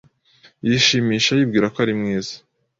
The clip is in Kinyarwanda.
Yishimisha yibwira ko ari mwiza.